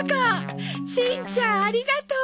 しんちゃんありがとう！